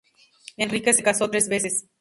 Enrique se casó tres veces.